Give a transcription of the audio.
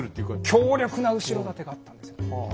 強力な後ろ盾があったんですよね。